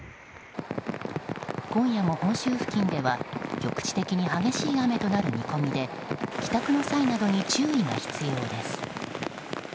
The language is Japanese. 今夜も本州付近では局地的に激しい雨となる見込みで帰宅の際などに注意が必要です。